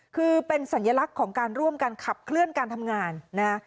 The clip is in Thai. คือเป็นสัญลักษณ์ของการร่วมกันขับเคลื่อนการทำงานนะฮะ